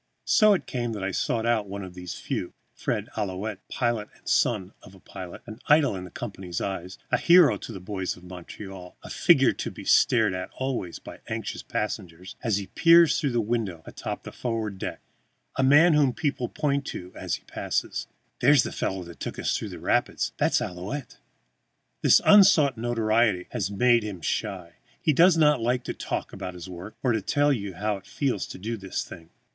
So it came that I sought out one of these few, Fred Ouillette, pilot and son of a pilot, an idol in the company's eyes, a hero to the boys of Montreal, a figure to be stared at always by anxious passengers as he peers through the window atop the forward deck, a man whom people point to as he passes: "There's the fellow that took us through the rapids. That's Ouillette." This unsought notoriety has made him shy. He does not like to talk about his work or tell you how it feels to do this thing.